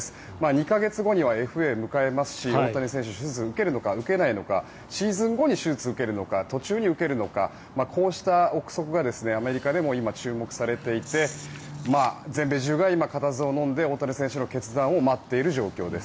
２か月後にはＦＡを迎えますし大谷選手が手術を受けるのか受けないのかシーズン後に手術を受けるのか途中に受けるのかこうした臆測がアメリカでも今、注目されていて全米中が今、かたずをのんで大谷選手の決断を待っている状況です。